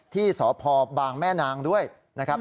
ที่สพบางแม่นางด้วยนะครับ